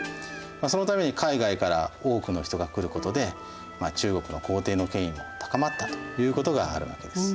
そのために海外から多くの人が来ることで中国の皇帝の権威も高まったということがあるわけです。